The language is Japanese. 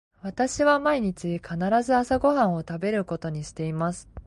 私は毎日必ず朝ご飯を食べることにしています。